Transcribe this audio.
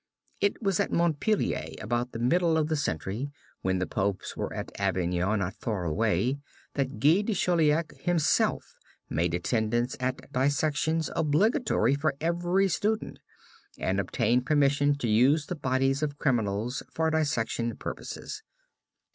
It was at Montpellier, about the middle of the century, when the Popes were at Avignon not far away, that Guy de Chauliac himself made attendance at dissections obligatory for every student, and obtained permission to use the bodies of criminals for dissection purposes.